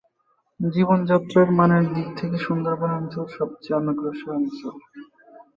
জীবনযাত্রার মানের দিক থেকে সুন্দরবন অঞ্চল সবচেয়ে অনগ্রসর অঞ্চল।